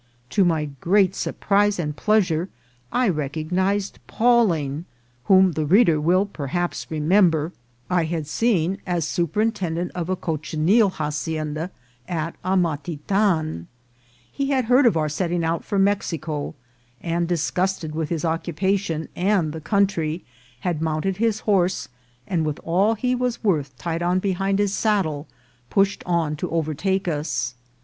To my great surprise and pleasure I recognised Pawling, whom the reader will perhaps remember I had seen as •*•<}//« it Hf It 7>/iv. // V.t/ rTa/itrr VASFS FOUND M C'JEGUETFMAMOO EXCAVATIONS. 231 superintendent of a cochineal hacienda at Amatitan. He had heard of our setting out for Mexico, and, dis gusted with his occupation and the country, had mount ed his horse, and with all he was worth tied on behind his saddle, pushed on to overtake us.